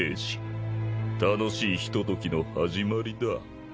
楽しいひとときの始まりだ。